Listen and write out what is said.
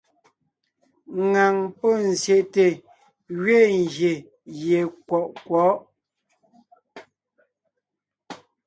Ŋaŋ pɔ́ zsyète gẅiin gyè gie kwɔʼ kwɔ̌'.